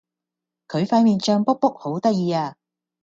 佢塊面脹畐畐好得意呀